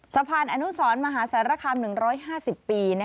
สะพานอนุสรมหาสารคาม๑๕๐ปี